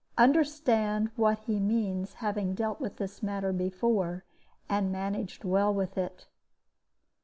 Understand what he means, having dealt with this matter before, and managed well with it.